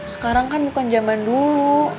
sekarang kan bukan zaman dulu